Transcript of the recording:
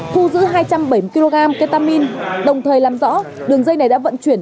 thu giữ hai trăm bảy mươi kg ketamine đồng thời làm rõ đường dây này đã vận chuyển